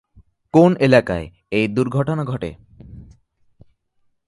কোন এলাকায় এই দুর্ঘটনা ঘটে?